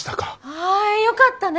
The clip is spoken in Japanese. あよかったね